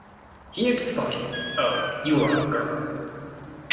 He exclaim: Oh, you are a girl!